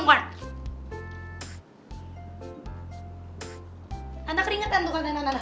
tante keringet kan tuh kan tante nanda